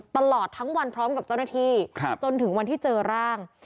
ตลอดทั้งวันพร้อมกับเจ้าหน้าที่จนถึงวันที่เจอร่าง